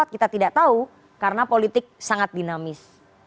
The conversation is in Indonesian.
kita tidak tahu karena politik sangat dinamis